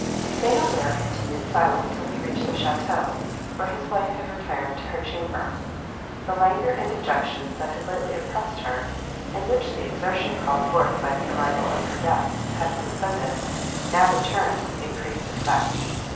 St. Aubert continued silent till he reached the château, where his wife had retired to her chamber. The languor and dejection, that had lately oppressed her, and which the exertion called forth by the arrival of her guests had suspended, now returned with increased effect.